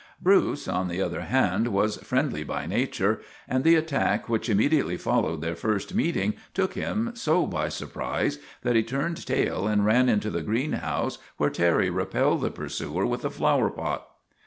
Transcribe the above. Bruce, on the other hand, was friendly by nature, and the attack which immediately followed their first meeting took him so by surprise that he turned tail and ran into the greenhouse, where Terry repelled the pursuer with a flower pot.